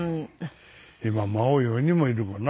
今孫４人もいるもんな。